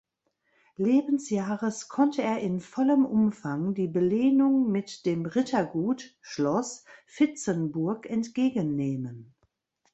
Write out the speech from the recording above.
Lebensjahres konnte er in vollem Umfang die Belehnung mit dem Rittergut (Schloss) Vitzenburg entgegennehmen.